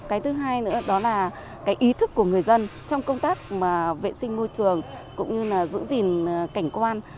cái thứ hai nữa đó là ý thức của người dân trong công tác vệ sinh môi trường giữ gìn cảnh quan